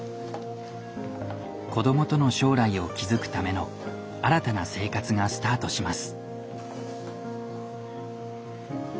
子どもとの将来を築くための新たな生活がスタートします。